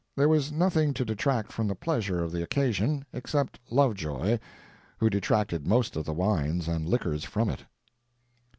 There was nothing to detract from the pleasure of the occasion, except Lovejoy, who detracted most of the wines and liquors from it.